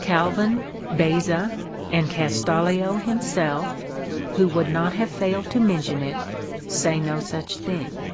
Calvin, Beza, and Castalio himself, (who would not have failed to mention it,) say no such thing.